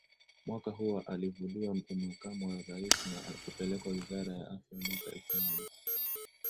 Mwaka huo alivuliwa Umakamu wa Rais na kupelekwa Wizara ya AfyaMwaka elfu moja